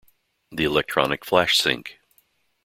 The electronic flash sync.